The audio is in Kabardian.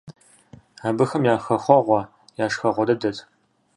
Абыхэм я хэхъуэгъуэ, я шхэгъуэ дыдэт.